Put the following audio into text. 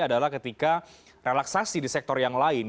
adalah ketika relaksasi di sektor yang lain